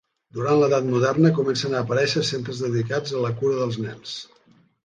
Durant l'edat moderna comencen a aparèixer centres dedicats a cura dels nens.